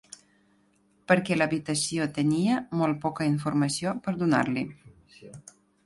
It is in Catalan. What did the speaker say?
Perquè l'habitació tenia molt poca informació per donar-li.